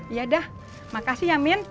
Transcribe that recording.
ya dah makasih ya min